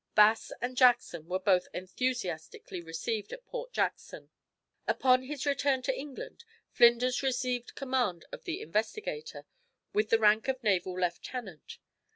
Bass and Jackson were both enthusiastically received at Port Jackson. Upon his return to England, Flinders received command of the Investigator, with the rank of naval lieutenant.